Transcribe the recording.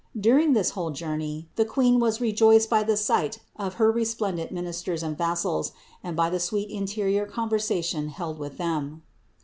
During this whole journey the Queen was rejoiced by the sight of her resplendent ministers and vassals and by the sweet interior conversation held with them.